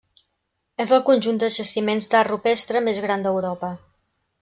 És el conjunt de jaciments d'art rupestre més gran d'Europa.